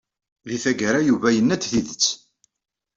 Deg tagara Yuba yenna-d tidet.